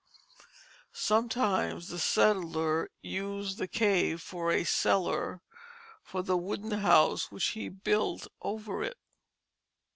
Sometimes the settler used the cave for a cellar for the wooden house which he built over it.